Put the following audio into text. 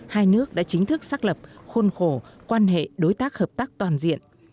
hai nước đã chính thức xác lập khuôn khổ quan hệ đối tác hợp tác toàn diện